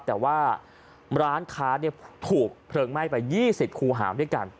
แต่ว่าร้านค้าถูกเพลิงไหม้ไป๒๐คูหาด้วยกัน